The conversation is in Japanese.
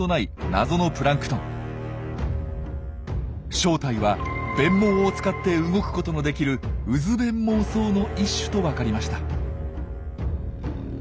正体は鞭毛を使って動くことのできる「渦鞭毛藻」の一種とわかりました。